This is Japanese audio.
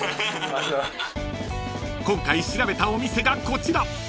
［今回調べたお店がこちら］